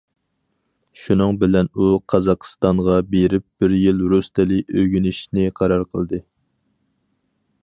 شۇنىڭ بىلەن ئۇ قازاقىستانغا بېرىپ بىر يىل رۇس تىلى ئۆگىنىشنى قارار قىلدى.